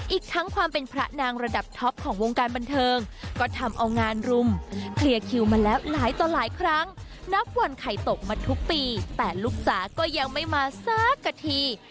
อีกทั้งความเป็นพระนางระดับท็อปของวงการบันเทิงก็ทำเอางานรุมเคลียร์คิวมาแล้วหลายต่อหลายครั้งนับวันไข่ตกมาทุกปีแต่ลูกจ๋าก็ยังไม่มาสักกะที